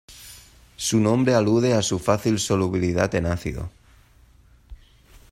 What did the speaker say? Su nombre alude a su fácil solubilidad en ácido.